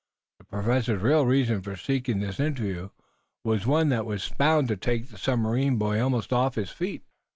The Professor's real reason for seeking this interview was one that was bound to take the submarine boy almost off his feet.